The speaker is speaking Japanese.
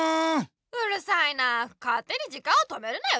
うるさいなあかってに時間を止めるなよ